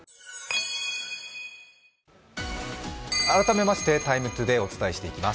改めまして「ＴＩＭＥ，ＴＯＤＡＹ」をお伝えしていきます。